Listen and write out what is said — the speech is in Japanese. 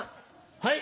はい。